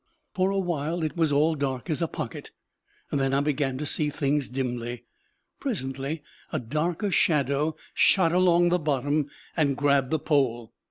For a while it was all dark as a pocket; then I began to see things dimly. Presently a darker shadow shot along the bottom and grabbed the pole.